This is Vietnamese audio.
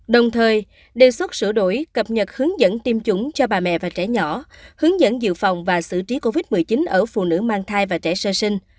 đồng thời đề xuất sửa đổi cập nhật hướng dẫn tiêm chủng cho bà mẹ và trẻ nhỏ hướng dẫn dự phòng và xử trí covid một mươi chín ở phụ nữ mang thai và trẻ sơ sinh